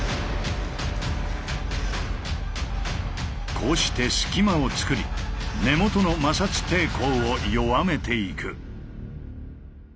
こうして隙間を作り根元の摩擦抵抗を弱めていく。